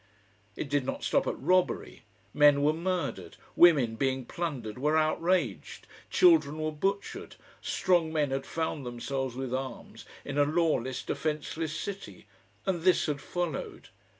It did not stop at robbery, men were murdered, women, being plundered, were outraged, children were butchered, strong men had found themselves with arms in a lawless, defenceless city, and this had followed.